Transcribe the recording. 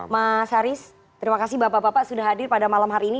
mas haris terima kasih bapak bapak sudah hadir pada malam hari ini